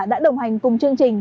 đã đồng hành cùng chương trình